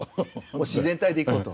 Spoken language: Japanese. もう自然体でいこうと。